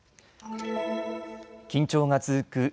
緊張が続く